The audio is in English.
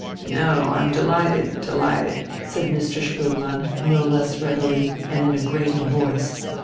"No; I'm delighted, delighted," said Mr. Spoelmann no less readily and in a grating voice.